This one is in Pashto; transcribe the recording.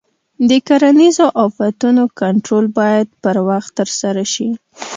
د کرنیزو آفتونو کنټرول باید پر وخت ترسره شي.